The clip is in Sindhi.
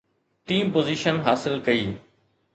ٽين پوزيشن حاصل ڪئي